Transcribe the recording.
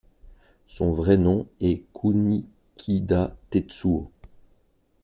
Son vrai nom est Kunikida Tetsuo.